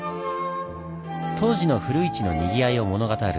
当時の古市のにぎわいを物語る